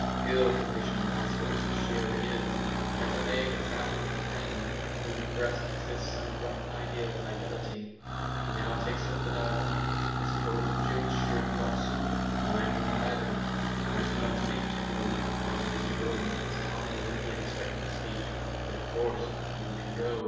Ill conditioned rascal as the shearer is, he has a mate or travelling companion in whose breast exists some rough idea of fidelity. He now takes up the dialogue. "I suppose if Jim's shearing don't suit, mine won't either." "I did not speak to you," answered Mr Gordon, as calmly as if he had expected the speech, "but of course you can go."